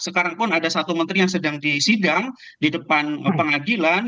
sekarang pun ada satu menteri yang sedang disidang di depan pengadilan